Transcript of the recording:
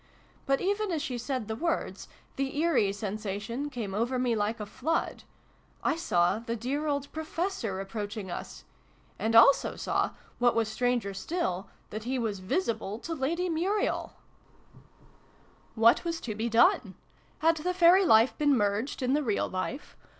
But, even as she said the words, the ' eerie ' sensation came over me like a flood : I saw the dear old Professor approaching us, and also saw, what was stranger still, that he was visible to Lady Muriel ! H 98 SYLVIE AND BRUNO CONCLUDED. What was to be done ? Had the fairy life been merged in the real life